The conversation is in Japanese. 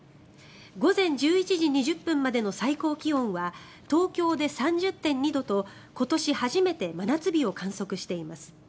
午前１１時２０分までの最高気温は東京で３０．２度と今年初めて真夏日を観測しています。